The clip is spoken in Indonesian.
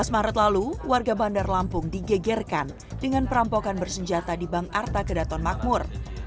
dua belas maret lalu warga bandar lampung digegerkan dengan perampokan bersenjata di bank arta kedaton makmur